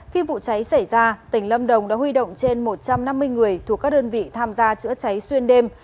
huy động trên một trăm năm mươi người thuộc các đơn vị tham gia chữa cháy xuyên đêm